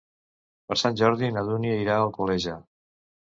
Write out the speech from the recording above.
Per Sant Jordi na Dúnia irà a Alcoleja.